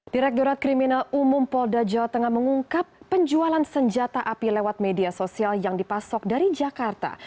direkturat kriminal umum polda jawa tengah mengungkap penjualan senjata api lewat media sosial yang dipasok dari jakarta